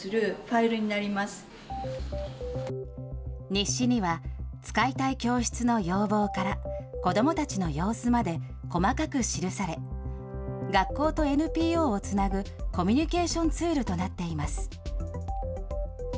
日誌には、使いたい教室の要望から子どもたちの様子まで細かく記され、学校とＮＰＯをつなぐコミュニケーションツールとなっています。